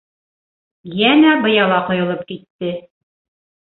Йәнә быяла ҡойолоп китте.